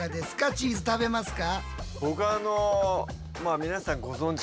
チーズ食べますか？